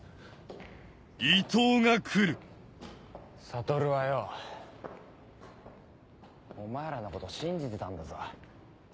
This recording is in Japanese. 悟はよお前らのこと信じてたんだぞ。